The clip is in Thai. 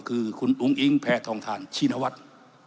คือคุณอุ้งอิงแพทองทานชินวัฒน์